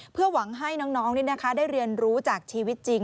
เพื่อหวังให้น้องได้เรียนรู้จากชีวิตจริง